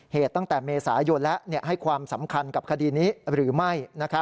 ตั้งแต่เมษายนแล้วให้ความสำคัญกับคดีนี้หรือไม่